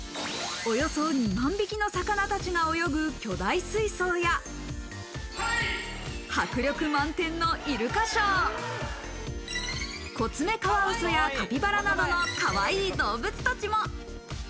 およそ２万匹の魚たちが泳ぐ巨大水槽や、迫力満点のイルカショー、コツメカワウソやカピバラなど、かわいい動物たちも。